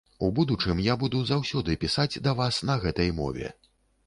У будучым я буду заўсёды пісаць да вас на гэтай мове.